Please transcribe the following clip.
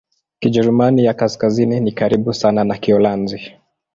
Kijerumani ya Kaskazini ni karibu sana na Kiholanzi.